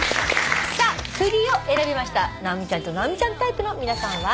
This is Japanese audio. さあ「栗」を選びました直美ちゃんと直美ちゃんタイプの皆さんは。